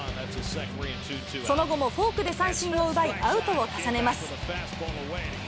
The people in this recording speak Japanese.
その後もフォークで三振を奪い、アウトを重ねます。